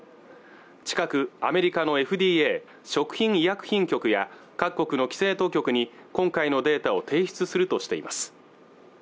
近くアメリカのＦＤＡ＝食品医薬品局や各国の規制当局に今回のデータを提出するとしています